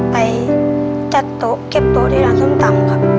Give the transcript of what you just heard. ไปจัดโต๊ะเก็บโต๊ะที่ร้านส้มตำครับ